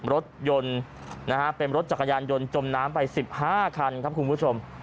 รถยนต์นะฮะเป็นรถจักรยานยนต์จมน้ำไป๑๕คันครับคุณผู้ชม